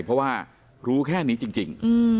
เพราะว่ารู้แค่นี้จริง